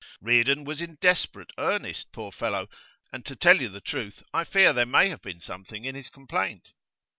'Reardon was in desperate earnest, poor fellow. And, to tell you the truth, I fear there may have been something in his complaint.